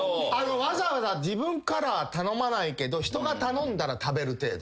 わざわざ自分から頼まないけど人が頼んだら食べる程度。